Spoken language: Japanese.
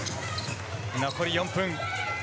残り４分。